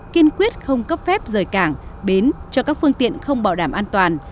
kiên quyết không cấp phép rời cảng bến cho các phương tiện không bảo đảm an toàn